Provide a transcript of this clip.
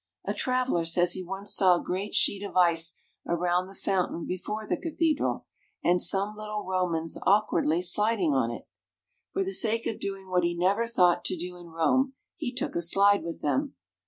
A traveller says he once saw a great sheet of ice around the fountain before the cathedral, and some little Romans awkwardly sliding on it. For the sake of doing what he never thought to do in Rome, he took a slide with them.